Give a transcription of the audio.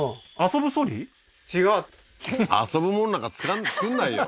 うん遊ぶもんなんか作んないよ